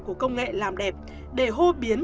của công nghệ làm đẹp để hô biến